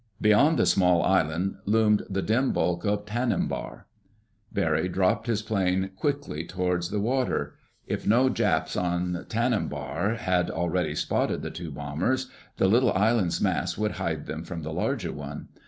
Beyond the small island loomed the dim bulk of Tanimbar. Barry dropped his plane quickly toward the water. If no Japs on Tanimbar had already spotted the two bombers, the little island's mass would hide them from the larger one.